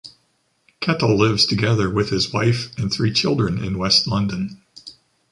Kettle lives together with his wife and three children in West London.